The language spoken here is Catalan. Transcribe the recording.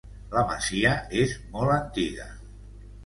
La masia és molt antiga.